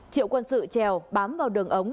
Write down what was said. triệu quân sự trèo bám vào đường ống